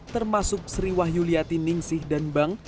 termasuk sri wahyul yati ningsih dan bank